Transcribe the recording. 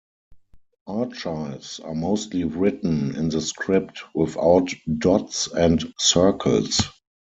Archives are mostly written in the script without dots and circles.